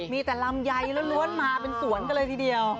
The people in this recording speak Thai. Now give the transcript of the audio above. มีแต่ลำไยล้วนมาเป็นสวนกันเลยทีเดียว